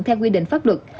theo quy định pháp luật